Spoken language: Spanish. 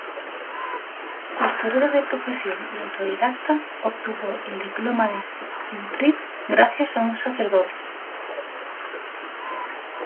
Costurera de profesión y autodidacta, obtuvo el diploma de institutriz gracias a un sacerdote.